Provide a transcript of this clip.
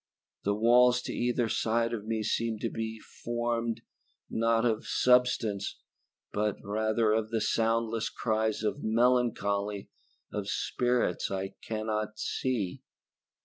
The walls to either side of me seem to be formed, not of substance, but rather of the soundless cries of melancholy of spirits I cannot see.